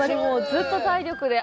ずっと体力で。